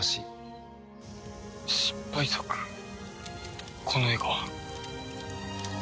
失敗作この絵が？